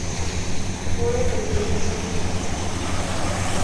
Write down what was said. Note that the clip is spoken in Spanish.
Fue el principio de todo.